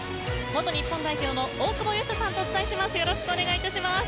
元日本代表の大久保嘉人さんとお伝えします。